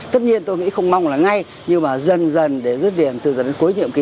tất nhiên tôi nghĩ không mong là ngay nhưng mà dần dần để rút điểm từ giờ đến cuối nhiệm kỳ